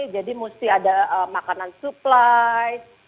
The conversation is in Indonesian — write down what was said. jadi mesti ada makanan suplai